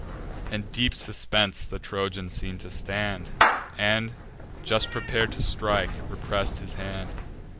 In deep suspense the Trojan seem'd to stand, And, just prepar'd to strike, repress'd his hand.